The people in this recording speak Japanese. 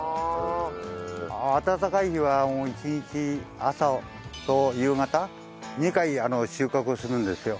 暖かい日は１日朝と夕方２回収穫するんですよ。